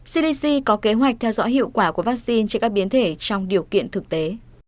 cdc có kế hoạch theo dõi hiệu quả của vaccine trên các biến thể trong điều kiện thực tế